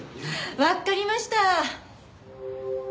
わかりました！